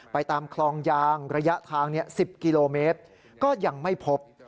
ตามคลองยางระยะทาง๑๐กิโลเมตรก็ยังไม่พบ